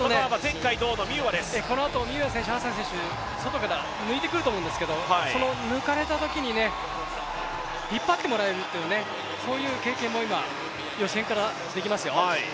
このあとミューア選手、ハッサン選手、外から抜いてくると思うんですけど、その抜かれたときに引っ張ってもらえるそういう経験も今、予選からできますよ。